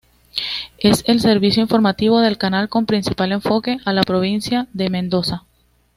Es el servicio informativo del canal con principal enfoque a la Provincia de Mendoza.